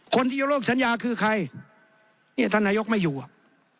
คนที่ยกเลิกสัญญาคือใครเนี่ยท่านนายกไม่อยู่อ่ะ